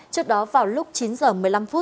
trước đó vào lúc chín h một mươi năm